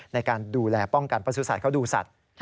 ในการดูแลป้องกันประสุทธิ์เขาดูสัตว์